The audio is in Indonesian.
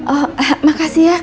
oh makasih ya